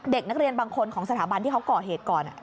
เด็กนักเรียนบางคนของสถาบันที่เขาก่อเหตุก่อน